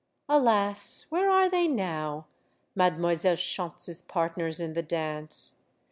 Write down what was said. Alas ! where are they now, — Mademoiselle Schontz's partners in the dance?